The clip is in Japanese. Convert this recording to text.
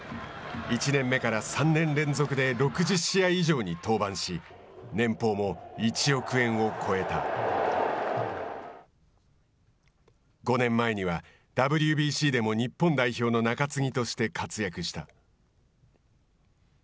１年目から３年連続で６０試合以上に登板し年俸も１億円を超えた５年前にはＷＢＣでも日本代表の中継ぎとして活躍した。